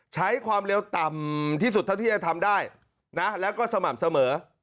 ใช้ความเร็วต่ำที่สุดเท่าที่จะทำได้นะแล้วก็สม่ำเสมอ